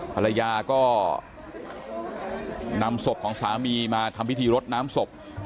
ภรรยาก็นำศพของสามีมาทำพิธีรดน้ำศพ